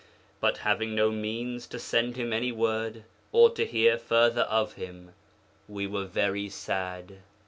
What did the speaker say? But having no means to send him any word, or to hear further of him, we were very sad.